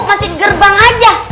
masih gerbang aja